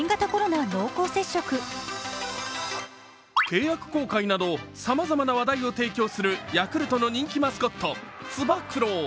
契約更改などさまざまな話題を提供するヤクルトの人気マスコットつば九郎。